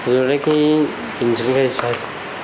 rồi đưa ra cái tình sản cây xài